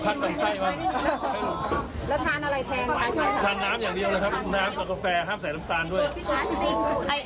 ทานน้ำอย่างเดียวแหละครับน้ำกับกาแฟห้ามใส่ลำตาลด้วย